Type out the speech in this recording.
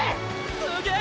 すげえ！